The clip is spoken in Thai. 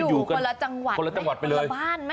อยู่คนละจังหวัดไปเลย